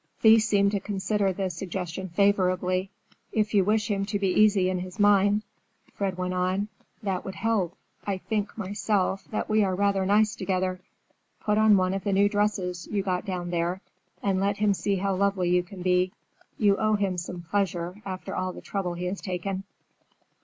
Thea seemed to consider the suggestion favorably. "If you wish him to be easy in his mind," Fred went on, "that would help. I think, myself, that we are rather nice together. Put on one of the new dresses you got down there, and let him see how lovely you can be. You owe him some pleasure, after all the trouble he has taken."